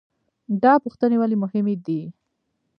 دا پوښتنې ولې مهمې دي؟